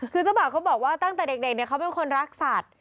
คือเจ้าบ่าวเขาบอกว่าตั้งแต่เด็กเขาเป็นคนรักสัตว์